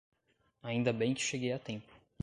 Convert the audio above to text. Ainda bem que cheguei a tempo.